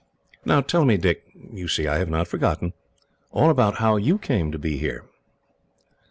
"Now tell me, Dick you see I have not forgotten all about how you came to be here."